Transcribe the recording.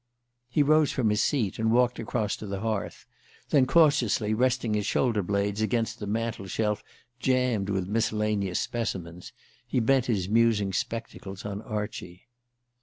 He rose from his seat, and walked across to the hearth; then, cautiously resting his shoulder blades against the mantel shelf jammed with miscellaneous specimens, he bent his musing spectacles on Archie.